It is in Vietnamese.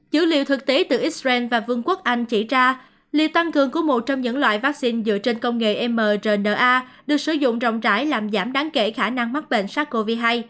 dữ liệu thực tế từ israel và vương quốc anh chỉ ra liệu tăng cường của một trong những loại vaccine dựa trên công nghệ mrna được sử dụng rộng rãi làm giảm đáng kể khả năng mắc bệnh sars cov hai